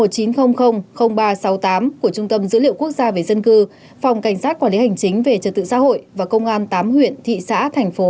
một nghìn chín trăm linh ba trăm sáu mươi tám của trung tâm dữ liệu quốc gia về dân cư phòng cảnh sát quản lý hành chính về trật tự xã hội và công an tám huyện thị xã thành phố